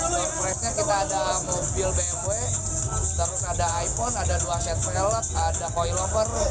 door pressnya kita ada mobil bmw terus ada iphone ada dua set velg ada coilover